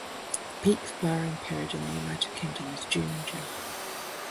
The peak flowering period in the United Kingdom is June and July.